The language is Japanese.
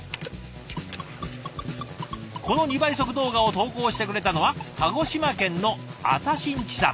この２倍速動画を投稿してくれたのは鹿児島県のあたしんちさん。